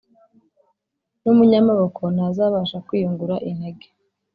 n’umunyamaboko ntazabasha kwiyungura intege